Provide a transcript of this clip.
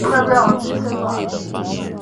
顺天府乡试第四十四名。